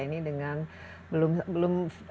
ini dengan belum